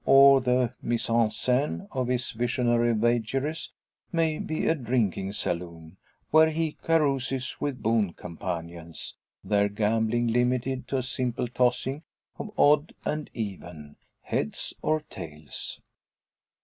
Or the mise en scene of his visionary vagaries may be a drinking saloon, where he carouses with boon companions, their gambling limited to a simple tossing of odd and even, "heads or tails."